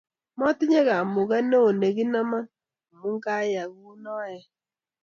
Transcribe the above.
motinye kamuget neoo nekinomon omu kayai kou noe